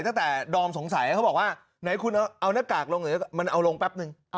ตั้งแต่ดอมสงสัยเขาบอกว่าไหนคุณเอาหน้ากากลงมันเอาลงแป๊บนึง